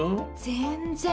全然。